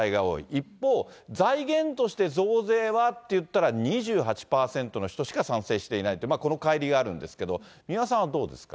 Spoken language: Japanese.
一方、財源として増税はっていったら、２８％の人しか賛成していないという、このかい離があるんですけれども、三輪さんはどうですか？